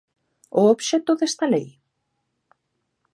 ¿O obxecto desta lei?